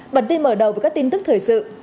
bản tin mở đầu với các tin tức thời sự